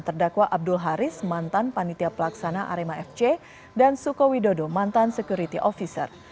terdakwa abdul haris mantan panitia pelaksana arema fc dan suko widodo mantan security officer